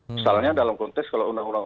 misalnya dalam konteks kalau undang undang